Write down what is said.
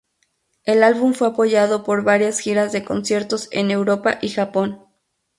El álbum fue apoyado por varias giras de conciertos en Europa y Japón.